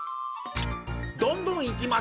どんどんいきます。